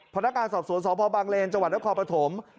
พนักการณ์สอบสวนสพบางเลนจนครพรภม